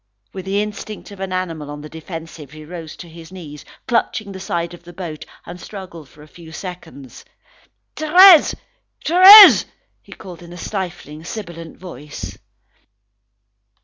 With the instinct of an animal on the defensive, he rose to his knees, clutching the side of the boat, and struggled for a few seconds. "Thérèse! Thérèse!" he called in a stifling, sibilant voice.